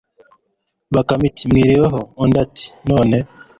bakame iti 'mwiriwe ho, undi ati 'nn